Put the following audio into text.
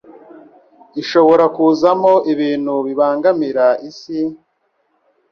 ishobora kuzamo ibintu bibangamira isi,